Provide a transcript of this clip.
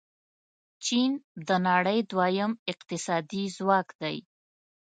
چین د نړۍ دویم اقتصادي ځواک دی.